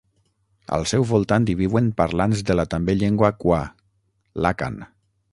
Al seu voltant hi viuen parlants de la també llengua kwa, l'àkan.